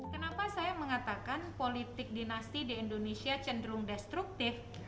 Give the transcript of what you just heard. kenapa saya mengatakan politik dinasti di indonesia cenderung destruktif